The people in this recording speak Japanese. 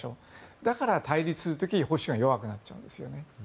だから対立する時に保守が弱くなっちゃうんですよね。